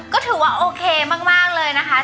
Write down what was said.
ก็ถือว่าโอเคมากเลยนะคะ